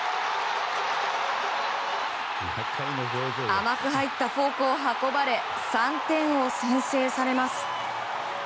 甘く入ったフォークを運ばれ、３点を先制されます。